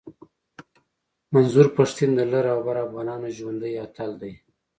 منظور پشتین د لر او بر افغانانو ژوندی اتل دی